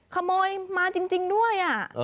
คมโมยมาจริงจริงด้วย